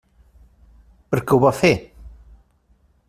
Per què ho va fer?